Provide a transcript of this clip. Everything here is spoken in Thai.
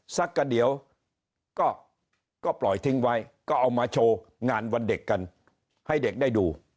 สักกระเดี๋ยวก็ปล่อยทิ้งไว้ก็เอามาโชว์งานวันเด็กกันให้เด็กได้ดู